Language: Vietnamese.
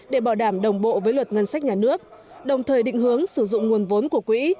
để bảo đảm đồng bộ với luật ngân sách nhà nước đồng thời định hướng sử dụng nguồn vốn của quỹ